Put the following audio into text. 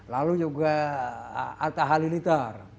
lalu juga atta halilitar